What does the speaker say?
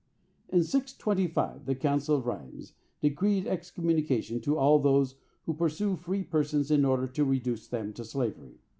In 625, the Council of Rheims decreed excommunication to all those who pursue free persons in order to reduce them to slavery.